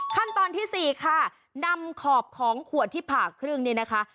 ขั้นตอนที่๔ค่ะนำขอบของขวดที่ผ่าครึ่งนี่นะคะ